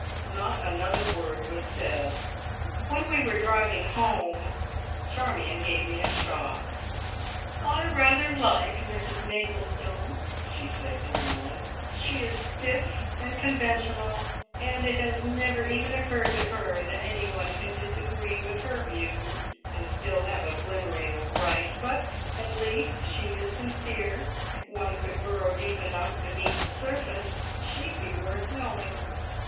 Not another word was said. When we were driving home, Charmion gave me a shock. "I rather like Mrs Maplestone," she said dreamily. "She is stiff and conventional, and it has never even occurred to her that anyone can disagree with her views, and still have a glimmering of right, but, at least, she is sincere. If one could burrow deep enough beneath the surface, she'd be worth knowing."